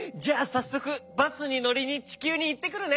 さっそくバスにのりにちきゅうにいってくるね！